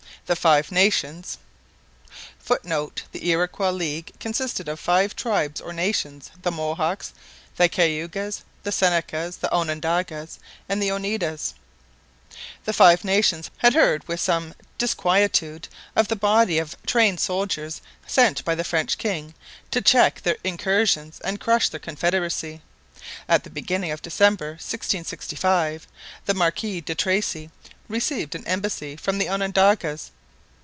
The Five Nations [Footnote: The Iroquois league consisted of five tribes or nations the Mohawks, the Cayugas, the Senecas, the Onondagas, and the Oneidas.] had heard with some disquietude of the body of trained soldiers sent by the French king to check their incursions and crush their confederacy. At the beginning of December 1665, the Marquis de Tracy received an embassy from the Onondagas.